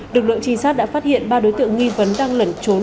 lực lượng trinh sát đã phát hiện ba đối tượng nghi vấn đang lẩn trốn